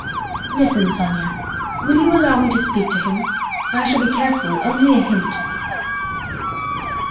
Listen, Sonia, will you allow me to speak to him? I shall be careful, only hint.